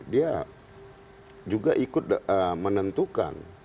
dia juga ikut menentukan